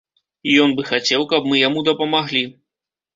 І ён бы хацеў, каб мы яму дапамаглі.